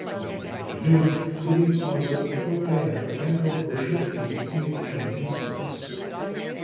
In afternoon getting hawser from Niagara and her portion of cable to make joint and splice.